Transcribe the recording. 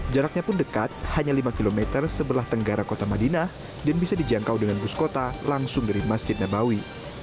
jaraknya pun dekat hanya lima km sebelah tenggara kota madinah dan bisa dijangkau dengan bus kota langsung dari masjid nabawi